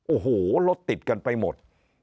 โอ้โหรถติดกันไปหมด